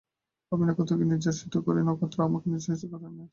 আমি নক্ষত্রকে নির্বাসিত করিয়াছি, নক্ষত্র আমাকে নির্বাসিত করিতে আসিতেছে।